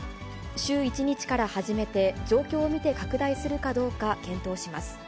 週１日から始めて、状況を見て拡大するかどうか検討します。